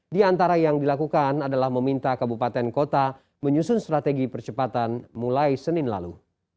di antara yang dilakukan adalah meminta kabupaten kota menyusun strategi percepatan mulai senin lalu